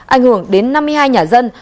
ảnh hưởng đến năm mươi hai nhà dân